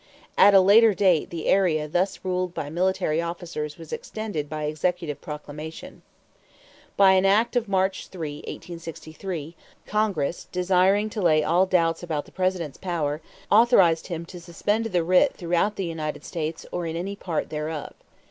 At a later date the area thus ruled by military officers was extended by executive proclamation. By an act of March 3, 1863, Congress, desiring to lay all doubts about the President's power, authorized him to suspend the writ throughout the United States or in any part thereof.